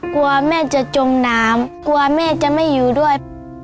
กลัวแม่จะจมน้ำกลัวแม่จะไม่อยู่ด้วย